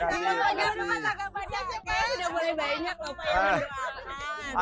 kayanya udah boleh banyak loh pak